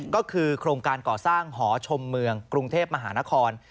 ก็คือโครงการก่อสร้างหอชมเมืองกรุงเทพมหานคร